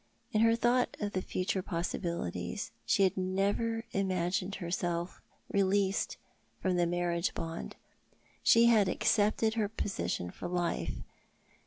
In her thought of future possibilities she had never imagined herself released from the marriage bond. She had accepted her position for life.